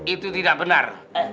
itu tidak benar